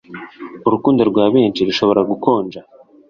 urukundo rwa benshi rushobora gukonja